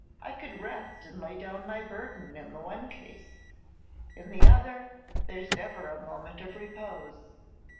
I could rest and lay down my burden in the one case, in the other, there's never a moment of repose!